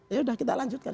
ya sudah kita lanjutkan